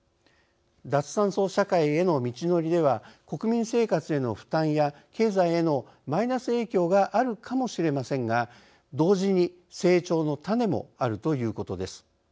脱炭素社会への道のりでは国民生活への負担や経済へのマイナス影響があるかもしれませんが同時に成長の種もあるということです。